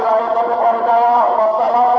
wassalamu alaikum warahmatullahi wabarakatuh